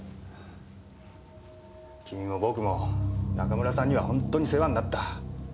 君も僕も中村さんには本当に世話になった。